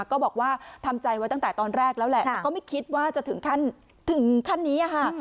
ก็บอกว่าทำใจไว้ตั้งแต่ตอนแรกแล้วแหละแต่ก็ไม่คิดว่าจะถึงขั้นถึงขั้นนี้ค่ะ